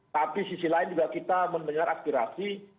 tapi sisi lain juga kita mendengar aspirasi